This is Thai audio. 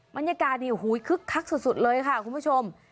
บรรยากาศนี่ขึ้นมาคลักสุดเลยค่ะคุณผู้ชม